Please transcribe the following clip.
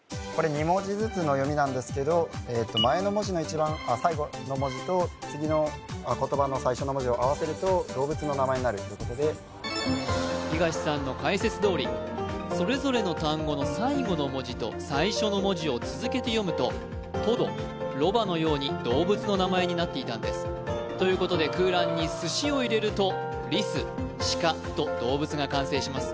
２文字ずつの読みなんですけど前の文字の一番最後の文字と次の言葉の最初の文字を合わせると動物の名前になるっていうことで東さんの解説どおりそれぞれの単語の最後の文字と最初の文字を続けて読むとトドロバのように動物の名前になっていたんですということで空欄にすしを入れるとリス鹿と動物が完成します